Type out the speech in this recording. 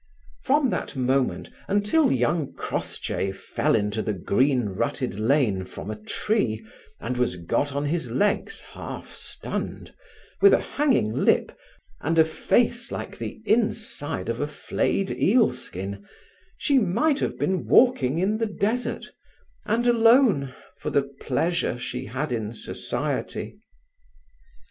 From that moment until young Crossjay fell into the green rutted lane from a tree, and was got on his legs half stunned, with a hanging lip and a face like the inside of a flayed eel skin, she might have been walking in the desert, and alone, for the pleasure she had in society.